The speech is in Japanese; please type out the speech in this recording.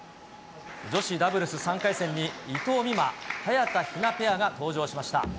女子ダブルス３回戦に、伊藤美誠・早田ひなペアが登場しました。